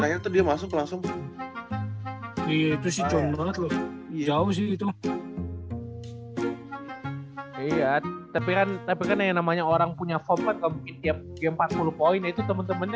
lihat tapi kan tapi kan yang namanya orang punya format kempit tiap empat puluh poin itu temen temennya